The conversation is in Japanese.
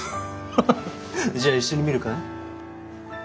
へへじゃ一緒に見るかい？